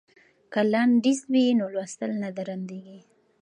که لنډیز وي نو لوستل نه درندیږي.